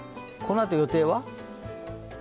このあと予定は？